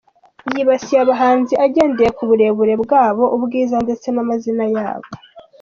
Yibasiye abahanzi agendeye ku burebure bwabo, ubwiza ndetse n’amazina yabo.